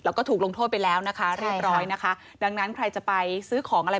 แล้วก็ถูกลงโทษไปแล้วนะคะเรียบร้อยนะคะดังนั้นใครจะไปซื้อของอะไร